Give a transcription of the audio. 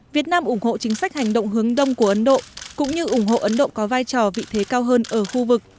việt nam ủng hộ chính sách hành động hướng đông của ấn độ cũng như ủng hộ ấn độ có vai trò vị thế cao hơn ở khu vực